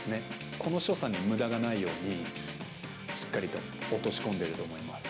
この所作にむだがないように、しっかりと落とし込んでいると思います。